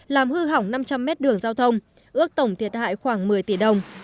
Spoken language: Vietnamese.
làm hư hỏng năm trăm linh mét đường giao thông ước tổng thiệt hại khoảng một mươi tỷ đồng